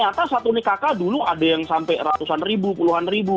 ternyata satu nik kakak dulu ada yang sampai ratusan ribu puluhan ribu